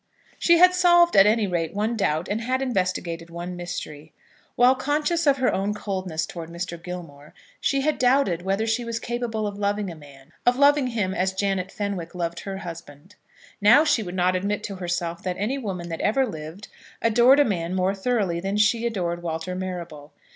She had solved, at any rate, one doubt, and had investigated one mystery. While conscious of her own coldness towards Mr. Gilmore, she had doubted whether she was capable of loving a man, of loving him as Janet Fenwick loved her husband. Now she would not admit to herself that any woman that ever lived adored a man more thoroughly than she adored Walter Marrable.